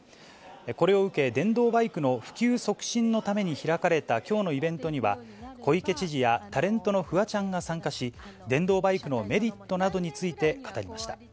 これを受け、電動バイクの普及促進のために開かれたきょうのイベントには、小池知事やタレントのフワちゃんが参加し、電動バイクのメリットなどについて語りました。